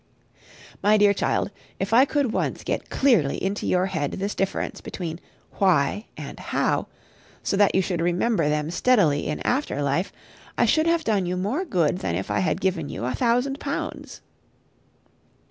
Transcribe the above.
My dear child, if I could once get clearly into your head this difference between Why and How, so that you should remember them steadily in after life, I should have done you more good than if I had given you a thousand pounds.